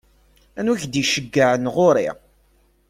Anwa i k-id-iceggɛen ɣur-i?